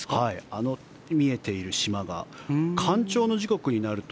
あの見えている島が干潮の時刻になると。